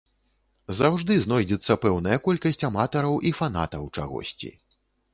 Заўжды знойдзецца пэўная колькасць аматараў і фанатаў чагосьці.